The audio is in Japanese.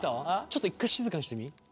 ちょっと一回静かにしてみ。